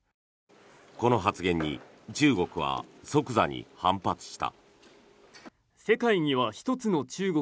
この発言に中国は即座に反発した。